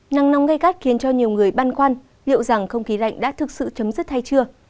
nắng nóng gây gắt khiến cho nhiều người băn khoăn liệu rằng không khí lạnh đã thực sự chấm dứt hay chưa